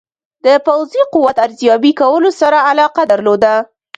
د پوځي قوت ارزیابي کولو سره علاقه درلوده.